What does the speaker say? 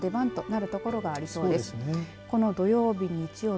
この土曜日、日曜日